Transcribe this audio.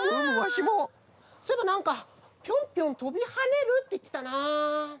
そういえばなんかピョンピョンとびはねるっていってたな。